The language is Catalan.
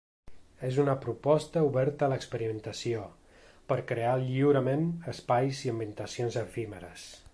És una proposta oberta a l’experimentació, per crear lliurement espais i ambientacions efímeres.